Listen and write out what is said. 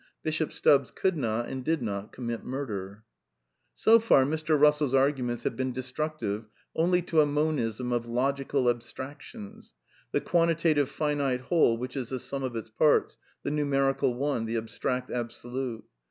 Bishop Stubbs could not, and did not, commit murder. So far Mr. Russell's arguments have been destructive only to a Monism of logical abstractions, the quantitative finite whole which is the sum of its parts, the numerical one, the abstract absolute.